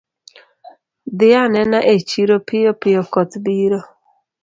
Dhi anena e chiro piyo piyo koth biro